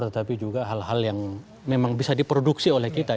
tetapi juga hal hal yang memang bisa diproduksi oleh kita